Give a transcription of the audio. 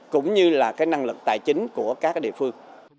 cũng như là cái năng lực tài chính của các địa phương